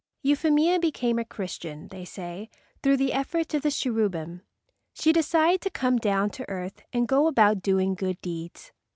Euphemia became a Christian, they say, through the efforts of the cherubim. She decided to come down to earth and go about doing good deeds.